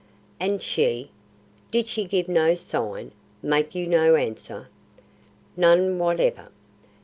"And she? Did she give no sign, make you no answer?" "None whatever."